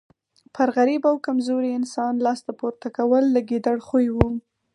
پر غریب او کمزوري انسان لاس پورته کول د ګیدړ خوی وو.